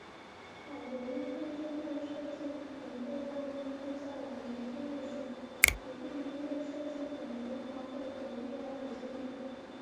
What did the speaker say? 好的用户界面设计能够让用户在完成任务时不必因为设计本身花费不必要的精力。